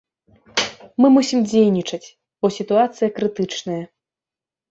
Мы мусім дзейнічаць, бо сітуацыя крытычная!